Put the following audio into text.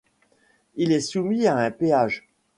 Il est soumis à un péage.